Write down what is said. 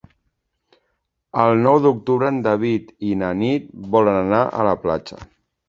El nou d'octubre en David i na Nit volen anar a la platja.